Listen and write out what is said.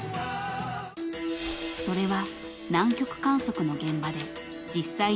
［それは］